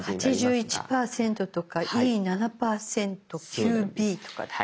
８１％とかＥ７％９Ｂとかって。